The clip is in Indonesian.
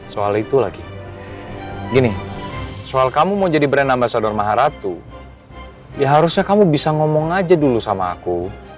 soal itu lagi gini soal kamu mau jadi brand ambasador maharatu ya harusnya kamu bisa ngomong aja dulu sama aku